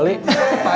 aku mau ke rumah